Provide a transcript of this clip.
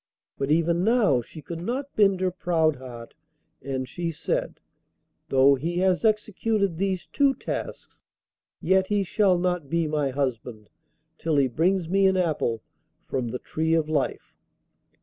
But even now she could not bend her proud heart, and she said, 'Though he has executed these two tasks, yet he shall not be my husband till he brings me an apple from the tree of life.